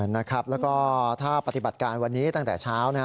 แล้วก็ถ้าปฏิบัติการวันนี้ตั้งแต่เช้า